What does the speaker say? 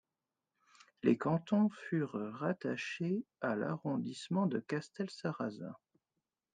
Les cantons furent rattachés à l'arrondissement de Castelsarrasin.